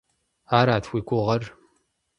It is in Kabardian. Арат уи гугъэр?